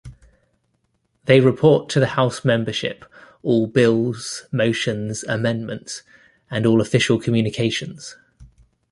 They report to the House membership all bills, motions, amendments, and all official communications.